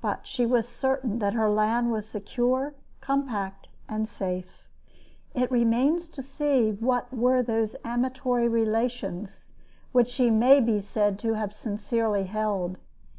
But she was certain that her land was secure, compact, and safe. It remains to see what were those amatory relations which she may be said to have sincerely held.